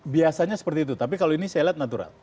biasanya seperti itu tapi kalau ini saya lihat natural